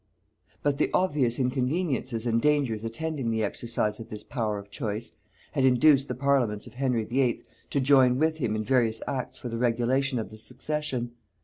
] But the obvious inconveniences and dangers attending the exercise of this power of choice, had induced the parliaments of Henry VIII. to join with him in various acts for the regulation of the succession.